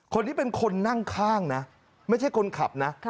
คนที่เป็นคนนั่งข้างนะไม่ใช่คนขับนะ